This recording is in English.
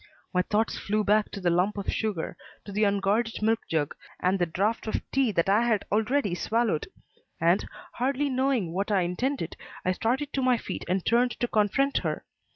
My thoughts flew back to the lump of sugar, to the unguarded milk jug and the draught of tea that I had already swallowed; and, hardly knowing what I intended, I started to my feet and turned to confront her.